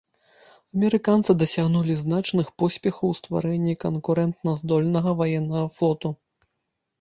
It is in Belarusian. Амерыканцы дасягнулі значных поспехаў у стварэнні канкурэнтназдольнага ваеннага флоту.